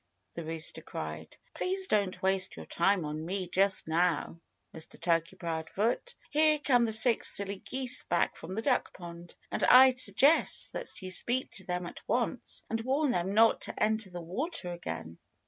the rooster cried. "Please don't waste your time on me just now, Mr. Turkey Proudfoot! Here come the six silly geese back from the duck pond. And I'd suggest that you speak to them at once and warn them not to enter the water again."